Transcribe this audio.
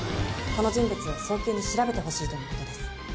この人物を早急に調べてほしいとの事です。